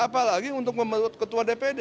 apalagi untuk mementut ketua dpd